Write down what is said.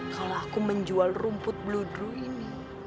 kalau aku menjual rumput bluedru ini